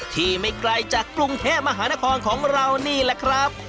ไม่ไกลจากกรุงเทพมหานครของเรานี่แหละครับ